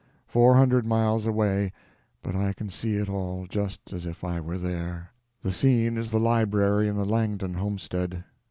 Four hundred miles away, but I can see it all, just as if I were there. The scene is the library in the Langdon homestead.